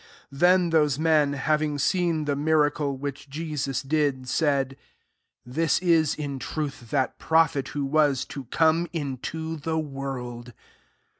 14 Then those men, having seen the miracle which Jesus did, said, This is in truth that prophet who was to come into the world."